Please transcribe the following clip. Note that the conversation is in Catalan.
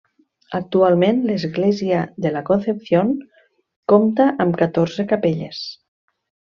Actualment l'església de la Concepción compta amb catorze capelles.